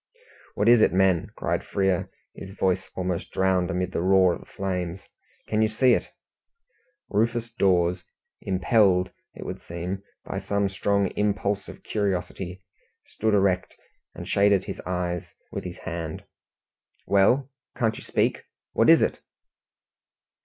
"What is it, men?" cried Frere, his voice almost drowned amid the roar of the flames. "Can you see?" Rufus Dawes, impelled, it would seem, by some strong impulse of curiosity, stood erect, and shaded his eyes with his hand. "Well can't you speak? What is it?"